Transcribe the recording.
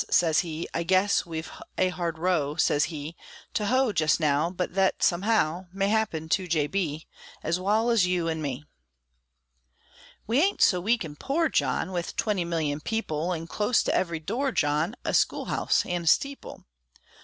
sez he, "I guess We've a hard row," sez he, "To hoe jest now; but thet, somehow, May happen to J. B., Ez wal ez you an' me!" We ain't so weak an' poor, John, With twenty million people, An' close to every door, John, A school house an' a steeple.